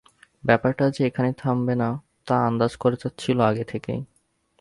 ব্যাপারটা যে এখানেই থামবে না, তা আন্দাজ করা যাচ্ছিল আগে থেকেই।